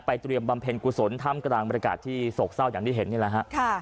เตรียมบำเพ็ญกุศลท่ามกลางบรรยากาศที่โศกเศร้าอย่างที่เห็นนี่แหละฮะ